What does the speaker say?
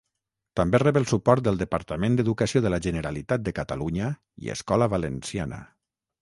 També rep el suport del Departament d'Educació de la Generalitat de Catalunya i Escola Valenciana.